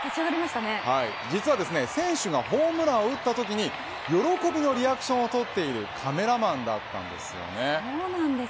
実は選手がホームランを打った瞬間に喜びのリアクションを撮っているカメラマンだったんです。